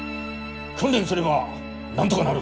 訓練すればなんとがなる。